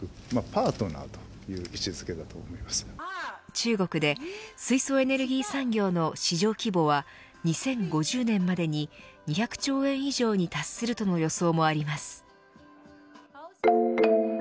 中国で水素エネルギー産業の市場規模は２０５０年までに２００兆円以上に達するとの予想もあります。